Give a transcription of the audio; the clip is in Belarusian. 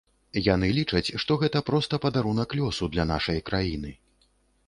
Яны лічаць, што гэта проста падарунак лёсу для нашай краіны.